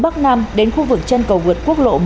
bắc nam đến khu vực chân cầu vượt quốc lộ một